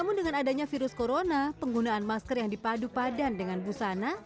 namun dengan adanya virus corona penggunaan masker yang dipadu padan dengan busana